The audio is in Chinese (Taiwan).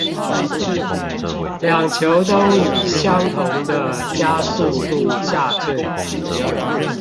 兩球都以相同的加速度下墜